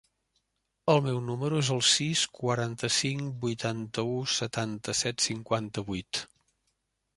El meu número es el sis, quaranta-cinc, vuitanta-u, setanta-set, cinquanta-vuit.